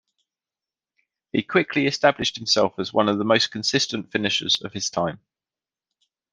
He quickly established himself as one of the most consistent finishers of his time.